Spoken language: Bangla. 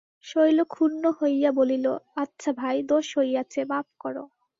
শৈল ক্ষুণ্ন হইয়া বলিল, আচ্ছা ভাই, দোষ হইয়াছে, মাপ করো।